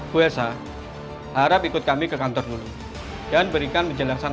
dari keterangan dua saksi yang baru kami terima